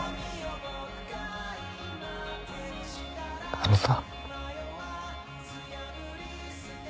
あのさ。